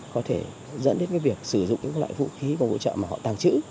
có thể dẫn đến cái việc sử dụng những loại vũ khí và vũ trợ mà họ tàng trữ